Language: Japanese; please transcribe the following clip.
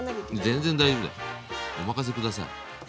全然大丈夫だよお任せ下さい。